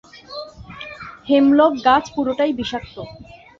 Hemlock গাছ পুরোটাই বিষাক্ত।